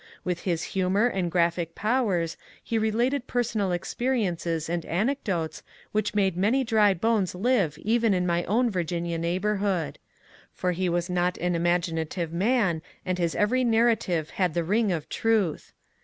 With his humour and graphic powers he related personal experiences and anecdotes which made many dry bones live even in my own Virginia neighbourhood ; for he was not an imaginative man and his every narrative had the ring of truth.